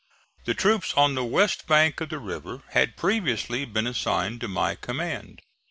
The troops on the west bank of the river had previously been assigned to my command.